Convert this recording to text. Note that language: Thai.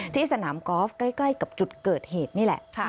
ที่สนามกอล์ฟใกล้กับจุดเกิดเหตุนี่แหละ